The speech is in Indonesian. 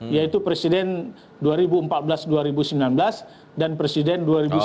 yaitu presiden dua ribu empat belas dua ribu sembilan belas dan presiden dua ribu sembilan belas dua ribu dua puluh empat